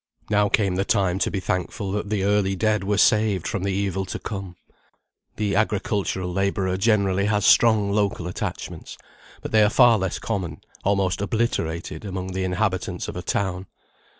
(Now came the time to be thankful that the early dead were saved from the evil to come.) The agricultural labourer generally has strong local attachments; but they are far less common, almost obliterated, among the inhabitants of a town.